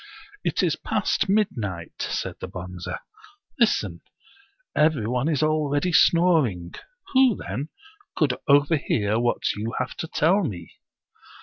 " It is past midnight," said the Bonze. " Listen! every one is already snoring. Who, then, could overhear what you have to tell me